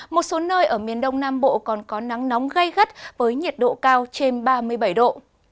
một số nơi ở miền đông nam bộ còn có nắng nóng gây gắt với nhiệt độ cao trên ba mươi bảy độ